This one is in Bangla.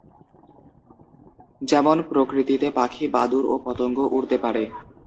যেমন প্রকৃতিতে পাখি, বাদুড় ও পতঙ্গ উড়তে পারে।